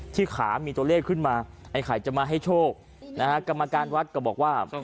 ขามีตัวเลขขึ้นมาไอ้ไข่จะมาให้โชคนะฮะกรรมการวัดก็บอกว่า